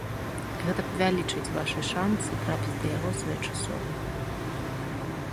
Гэта павялічыць вашы шанцы трапіць да яго своечасова.